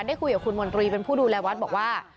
ได้คุยกับคุณมนตรีเป็นผู้ดูแลวัดบอกว่า